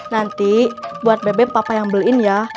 nanti buat beb beb papa yang beliin ya